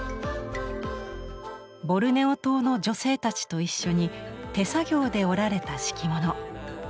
ボルネオ島の女性たちと一緒に手作業で織られた敷物。